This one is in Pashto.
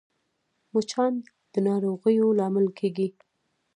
مچان د ناروغیو لامل کېږي